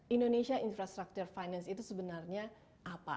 indonesia infrastructure finance itu sebenarnya apa